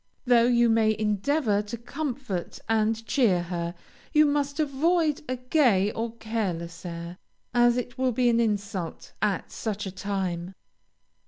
Though you may endeavor to comfort and cheer her, you must avoid a gay or careless air, as it will be an insult at such a time.